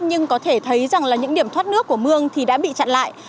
nhưng có thể thấy rằng là những điểm thoát nước của mương thì đã bị chặn lại